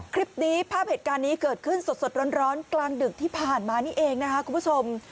คลิปนี้ภาพเหตุการณ์นี้เกิดขึ้นสดร้อนกลางดึกที่ผ่านมานี่เองนะคะคุณผู้ชม